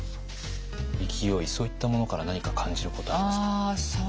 勢いそういったものから何か感じることありますか？